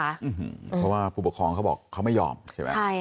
เพราะว่าผู้ปกครองเขาบอกเขาไม่ยอมใช่ไหม